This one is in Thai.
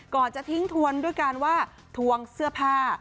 จะทิ้งทวนด้วยการว่าทวงเสื้อผ้า